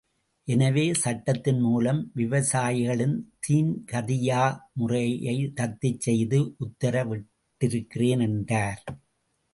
எனவே, சட்டத்தின் மூலம் விவசாயிகளின் தீன்கதியா முறையை ரத்துச் செய்து உத்திரவிட்டிருக்கிறேன் என்றார்.